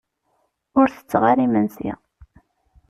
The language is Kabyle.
Ur tetteɣ ara imensi.